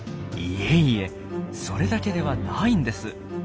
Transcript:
いえいえそれだけではないんです。